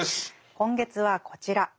今月はこちら。